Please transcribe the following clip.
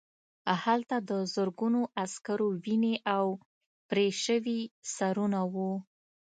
هلته د زرګونو عسکرو وینې او پرې شوي سرونه وو